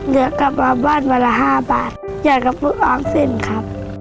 เดี๋ยวกลับมาบ้านวันละห้าบาทอย่ากระปุกอาห์สินครับ